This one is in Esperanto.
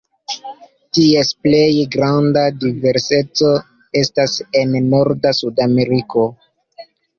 Ties plej granda diverseco estas en norda Sudameriko.